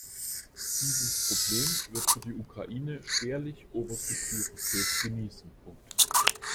Dieses Problem wird für die Ukraine schwerlich oberste Priorität genießen.